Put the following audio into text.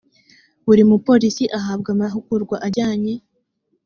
buri mupolisi ahabwa amahugurwa ajyanye